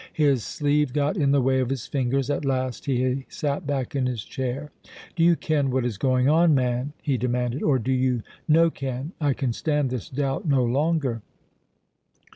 His sleeve got in the way of his fingers. At last he sat back in his chair. "Do you ken what is going on, man?" he demanded, "or do you no ken? I can stand this doubt no longer."